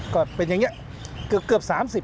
ก็เป็นอย่างนี้เกือบ๓๐